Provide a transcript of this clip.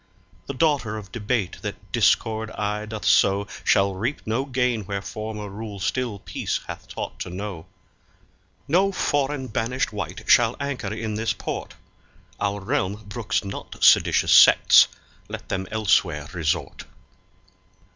The daughter of debate that discord aye doth sow Shall reap no gain where former rule still peace hath taught to know. No foreign banished wight shall anchor in this port; Our realm brooks not seditious sects, let them elsewhere resort.